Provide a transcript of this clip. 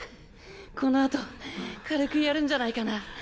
この後軽くやるんじゃないかな。